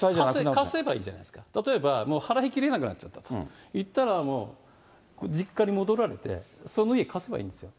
貸せばいいじゃないですか、例えば、払いきれなくなっちゃった、言ったら、実家に戻られて、その家貸せばいいんですよ。